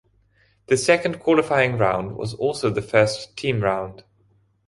The second qualifying round was also the first team round.